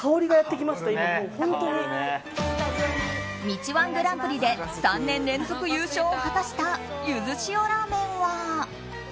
道‐１グランプリで３年連続優勝を果たしたゆず塩らめんは。